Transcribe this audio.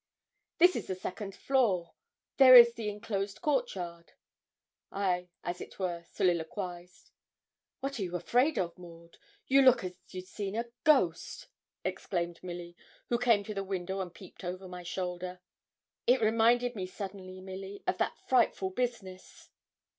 'This is the second floor there is the enclosed court yard' I, as it were, soliloquised. 'What are you afraid of, Maud? you look as ye'd seen a ghost,' exclaimed Milly, who came to the window and peeped over my shoulder. 'It reminded me suddenly, Milly, of that frightful business.'